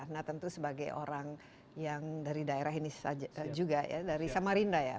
nah tentu sebagai orang yang dari daerah ini juga ya dari samarinda ya